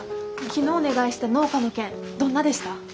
昨日お願いした農家の件どんなでした？